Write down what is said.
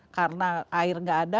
karena air nggak ada